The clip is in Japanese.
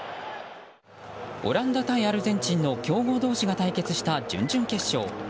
オランダ対アルゼンチンの強豪同士が対決した準々決勝。